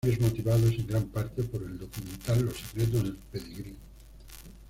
Cambios motivados, en gran parte, por el documental Los secretos del pedigrí.